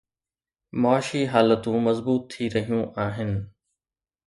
معاشي حالتون مضبوط ٿي رهيون آهن.